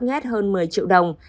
nghét hơn một mươi triệu đồng